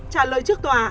trả lời trước tòa